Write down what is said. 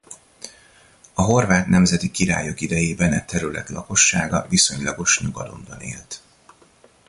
A horvát nemzeti királyok idejében e terület lakossága viszonylagos nyugalomban élt.